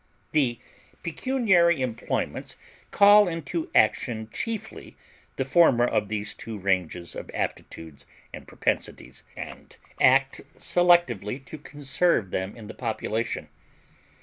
The pecuniary employments call into action chiefly the former of these two ranges of aptitudes and propensities, and act selectively to conserve them in the population.